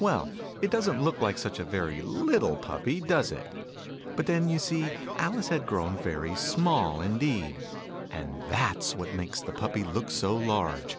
Well, it doesn't look such a very little Puppy, does it ? But then, you see, Alice had grown very small indeed : and that's what makes the Puppy look so large.